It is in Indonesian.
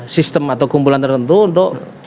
sistem atau kumpulan tertentu untuk